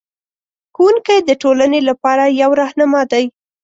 ښوونکی د ټولنې لپاره یو رهنما دی.